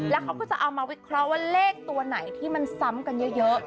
แล้วเขาก็จะเอามาวิเคราะห์ว่าเลขสำกันเยอะ